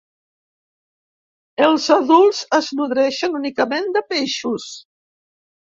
Els adults es nodreixen únicament de peixos.